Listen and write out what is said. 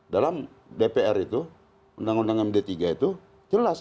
dalam dpr itu undang undang md tiga itu jelas